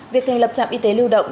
việc thành lập trạm y tế lưu động